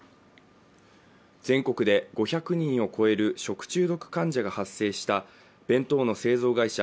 全国で５００人を超える食中毒患者が発生した弁当の製造会社